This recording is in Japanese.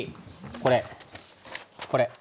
これこれ。